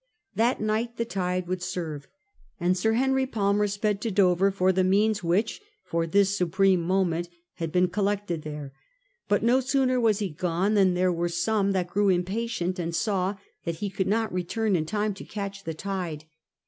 That night the tide would serve, and Sir Henry Palmer sped to Dover for the means which, for this supreme moment^ had been collected there ; but no sooner was he gone than there were some that grew impatient and saw that he could not return in time to catch the tide.